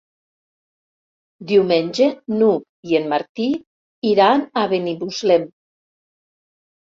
Diumenge n'Hug i en Martí iran a Benimuslem.